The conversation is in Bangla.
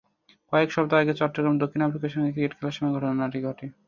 কয়েক সপ্তাহ আগে চট্টগ্রামে দক্ষিণ আফ্রিকার সঙ্গে ক্রিকেট খেলার সময় ঘটনাটি ঘটে।